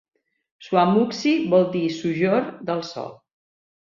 "Suamuxi" vol dir "sojorn del sol".